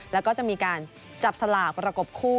แล้วก็จะมีการจับสลากประกบคู่